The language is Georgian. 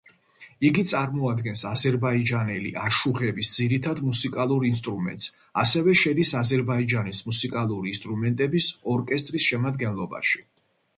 იგი წარმოადგენს აზერბაიჯანელი აშუღების ძირითად მუსიკალურ ინსტრუმენტს, ასევე შედის აზერბაიჯანის მუსიკალური ინსტრუმენტების ორკესტრის შემადგენლობაში.